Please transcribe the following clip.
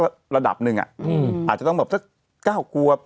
มหาลัยเข้าใจก็ไม่ว่าว่า